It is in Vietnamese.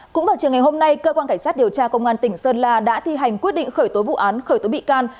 cũng vào chiều ngày hôm nay cơ quan cảnh sát điều tra công an tỉnh sơn la đã thi hành quyết định khởi tố vụ án khởi tố bị can